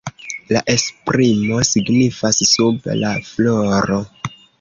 La esprimo signifas „sub la floro“.